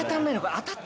当たった！